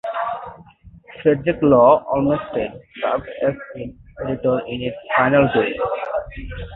Frederick Law Olmsted served as its editor in its final two years.